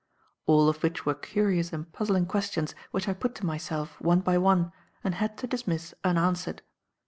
All of which were curious and puzzling questions which I put to myself, one by one, and had to dismiss unanswered.